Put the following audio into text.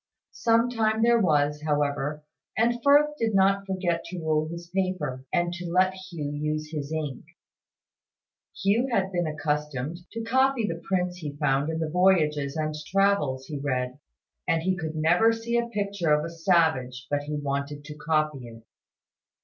Some time there was, however; and Firth did not forget to rule his paper, and to let Hugh use his ink. Hugh had been accustomed to copy the prints he found in the Voyages and Travels he read; and he could never see a picture of a savage but he wanted to copy it.